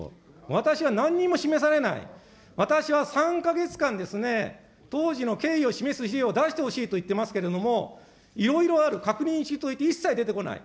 私はなんにも示されない、私は３か月間、当時の経緯を示す資料を出してほしいと言っていますけれども、いろいろある、確認すると言っておいて、一切出てこない。